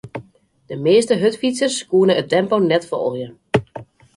De measte hurdfytsers koene it tempo net folgje.